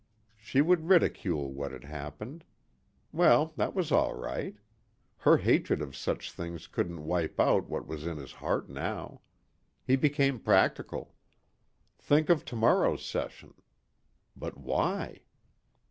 She would ridicule what had happened. Well, that was all right. Her hatred of such things couldn't wipe out what was in his heart now. He became practical. Think of tomorrow's session. But why?